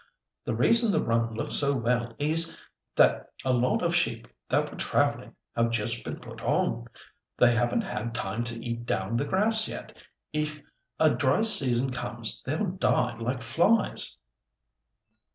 The reason the run looks so well is that a lot of sheep that were travelling have just been put on. They haven't had time to eat down the grass yet. If a dry season comes they'll die like flies."